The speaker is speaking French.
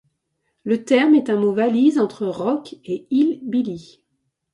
Le terme est un mot-valise entre rock et hillbilly.